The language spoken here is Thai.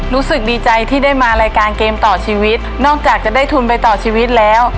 รู้สึกดีใจที่ได้มารายการเกมต่อชีวิตนอกจากจะได้ทุนไปต่อชีวิตแล้ว